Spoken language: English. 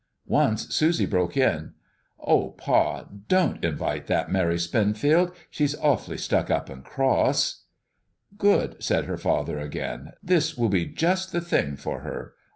Once Susie broke in, "O Pa, don't invite that Mary Spenfield; she's awfully stuck up and cross!" "Good!" said her father again. "This will be just the thing for her.